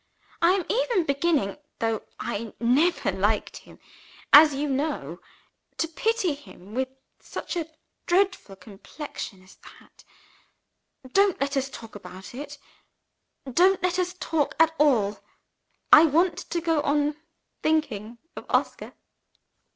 I am even beginning (though I never liked him, as you know) to pity him, with such a dreadful complexion as that. Don't let us talk about it! Don't let us talk at all! I want to go on thinking of Oscar."